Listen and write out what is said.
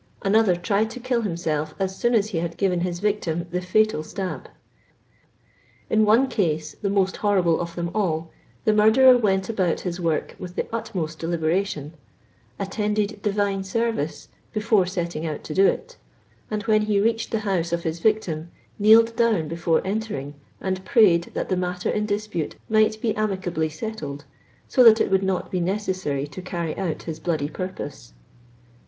Another tried to kill himself as soon as he had given his victim the fatal stab. In one case, the most horrible of them all, the murderer went abodt his work with the utmost deliberation ;'< attended divine service before setting out to do it, and when he reached the house of hi9 victim, kneeled down before entering and prayed that the matter in dispute might be amicably settled, so that it would not be. necessary tQ carry out his bloody purpose.